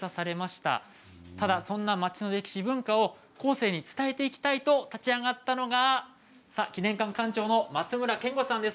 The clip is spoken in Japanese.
ただそんな町の歴史、文化を後世に伝えていきたいと立ち上がったのが記念館館長の松村憲吾さんです。